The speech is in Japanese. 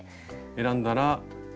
選んだら。